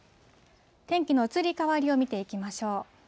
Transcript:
天気の移り変わりを見ていきましょう。